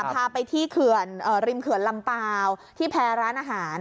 พาไปที่เขื่อนริมเขื่อนลำเปล่าที่แพรร้านอาหาร